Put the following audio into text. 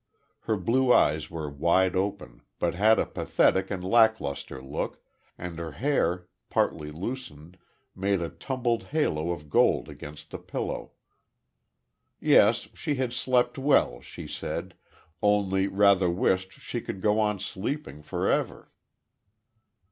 Her blue eyes were wide open, but had a pathetic and lack lustre look, and her hair, partly loosened, made a tumbled halo of gold against the pillow. Yes, she had slept well she said only rather wished she could go on sleeping for ever.